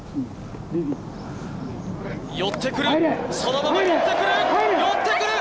寄ってくる、そのまま寄ってくる、寄ってくる！